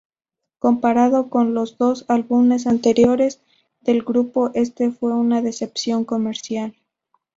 Comparado con los dos álbumes anteriores del grupo este fue una decepción comercial.